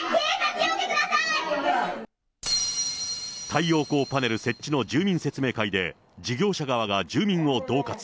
太陽光パネル設置の住民説明会で、事業者側が住民をどう喝。